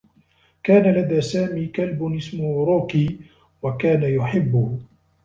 كان لدى سامي كلب اسمه روكي و كان يحبّه.